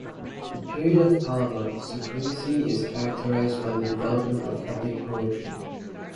The period of Pallava supremacy is characterized by the development of epic poetry.